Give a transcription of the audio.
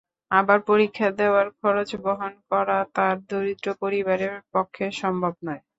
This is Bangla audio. আবার পরীক্ষা দেওয়ার খরচ বহন করা তার দরিদ্র পরিবারের পক্ষে সম্ভব নয়।